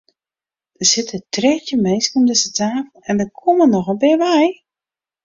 Der sitte trettjin minsken om dizze tafel en der komme noch in pear by.